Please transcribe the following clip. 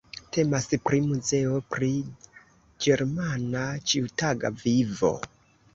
Temas pri muzeo pri ĝermana ĉiutaga vivo.